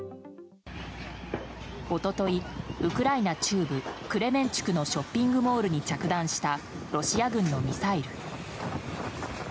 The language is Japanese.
一昨日、ウクライナ中部クレメンチュクのショッピングモールに着弾したロシア軍のミサイル。